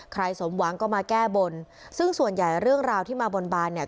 สมหวังก็มาแก้บนซึ่งส่วนใหญ่เรื่องราวที่มาบนบานเนี่ย